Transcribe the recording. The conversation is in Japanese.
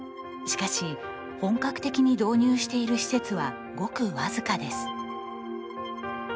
しかし本格的に導入している施設はごく僅かです。